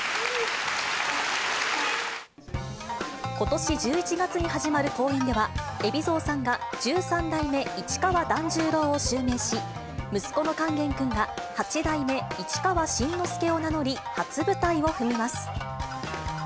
ことし１１月に始まる公演では、海老蔵さんが、十三代目市川團十郎を襲名し、息子の勸玄君が八代目市川新之助を名乗り、初舞台を踏みます。